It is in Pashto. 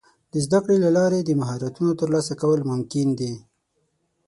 د زده کړې له لارې د مهارتونو ترلاسه کول ممکن دي.